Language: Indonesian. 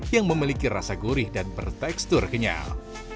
yang memiliki rasa gurih dan bertekstur kenyal